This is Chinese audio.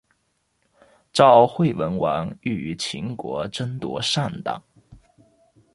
赵惠文王欲与秦国争夺上党。